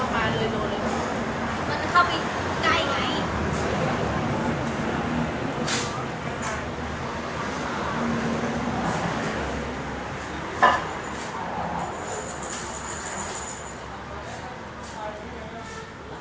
มันเข้าไปใกล้ไง